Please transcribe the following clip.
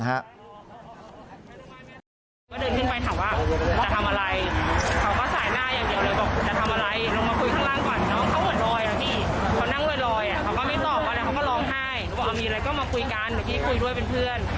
เมื่อกี้คุยด้วยเป็นเพื่อนก็ประมาณว่าเหมือนเขามานั่งรอแฟน